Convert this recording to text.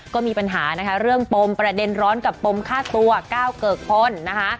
ก็มีปัญหานะคะเรื่องปมประเด็นร้อนกับปมฆ่าตัวก้าวเกิกพลนะคะ